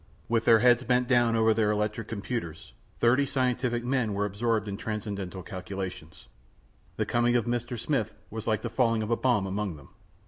With their heads bent down over their electric computers, thirty scientific men were absorbed in transcendental calculations. The coming of Mr. Smith was like the falling of a bomb among them.